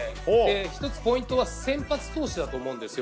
１つ、ポイントは先発投手だと思います。